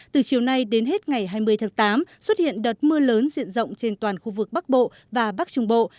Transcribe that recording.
từ chiều nay đến hết ngày hai mươi tháng tám xuất hiện đợt mưa lớn diện rộng trên toàn khu vực bắc bộ và bắc trung bộ